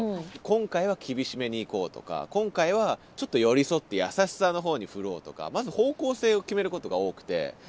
今回は厳しめにいこうとか今回はちょっと寄り添って優しさの方に振ろうとかまず方向性を決めることが多くて。